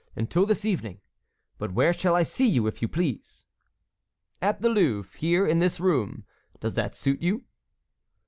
Until this evening. But where shall I see you, if you please?" "At the Louvre, here in this room; does that suit you?"